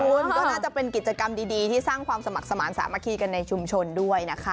คุณก็น่าจะเป็นกิจกรรมดีที่สร้างความสมัครสมาธิสามัคคีกันในชุมชนด้วยนะคะ